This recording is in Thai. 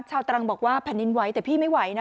ตรังบอกว่าแผ่นดินไหวแต่พี่ไม่ไหวนะ